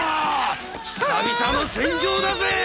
久々の戦場だぜェー！！